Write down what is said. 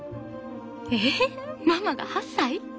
えママが８歳？